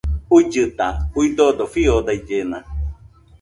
Uillɨta, uidodo fiodaillena